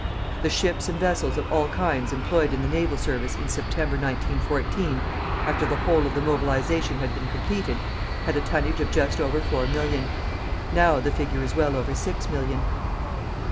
The ships and vessels of all kinds employed in the Naval Service in September, 1914, after the whole of the mobilisation had been completed, had a tonnage of just over 4 million; now the figure is well over 6 million.